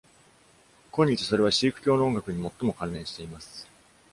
今日、それはシーク教の音楽に最も関連しています。